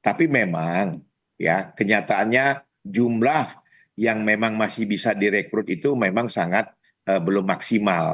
tapi memang kenyataannya jumlah yang memang masih bisa direkrut itu memang sangat belum maksimal